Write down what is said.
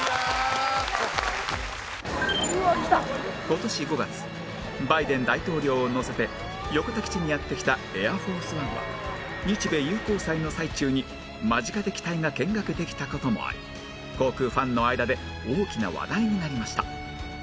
今年５月バイデン大統領を乗せて横田基地にやって来たエアフォース・ワンは日米友好祭の最中に間近で機体が見学できた事もあり航空ファンの間で大きな話題になりました